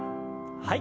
はい。